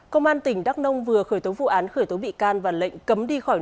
công an tỉnh đắk nông vừa khởi tố vụ án khởi tố bị can và lệnh